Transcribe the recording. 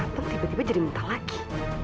tiba tiba jadi minta lagi